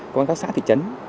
công an các xã thị trấn